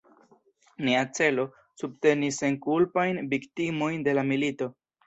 Nia celo: subteni senkulpajn viktimojn de la milito.